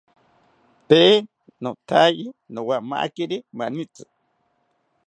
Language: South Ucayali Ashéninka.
Tee nothaye nowamakiri manitzi